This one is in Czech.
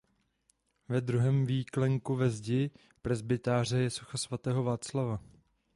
Ve druhém výklenku ve zdi presbytáře je socha svatého Václava.